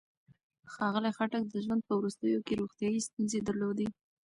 ښاغلي خټک د ژوند په وروستیو کې روغتيايي ستونزې درلودې.